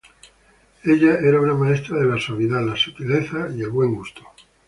Ella era una maestra de la suavidad, la sutileza y el buen gusto.